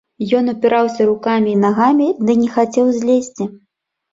Ён упіраўся рукамі і нагамі ды не хацеў злезці.